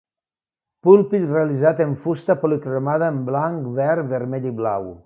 Púlpit realitzat en fusta policromada en blanc, verd, vermell i blau.